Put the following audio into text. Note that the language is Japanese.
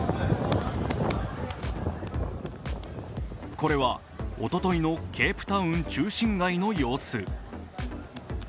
これはおとといのケープタウン中心部の様子。